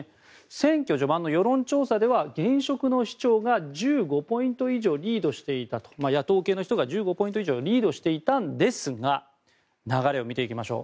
選挙序盤の世論調査では現職の市長が１５ポイント以上リードしていたと野党系の人が１５ポイント以上リードしていたんですが流れを見ていきましょう。